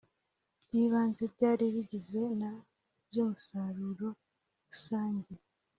by ibanze byari bigize na by Umusaruro Rusange